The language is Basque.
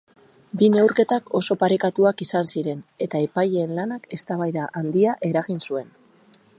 Bi neurketak oso parekatuak izan ziren eta epaileen lanak eztabaida handia eragin zuen.